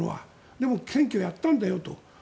でも、選挙をやったんだと。